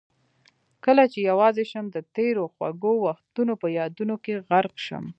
کله چې یوازې شم د تېرو خوږو وختونه په یادونو کې غرق شم.